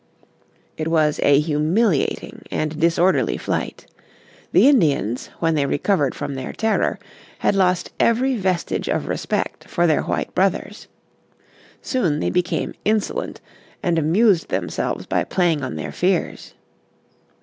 It was a humiliating and disorderly flight. The Indians, when they recovered from their terror, had lost every vestige of respect for their white brothers. Soon they became insolent, and amused themselves by playing on their fears.